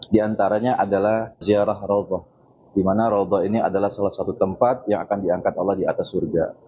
di antaranya adalah ziarah rawdoh di mana rawdoh ini adalah salah satu tempat yang akan diangkat oleh di atas surga